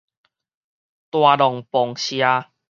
大浪泵社